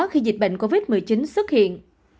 khi dịch bệnh covid một mươi chín xuất hiện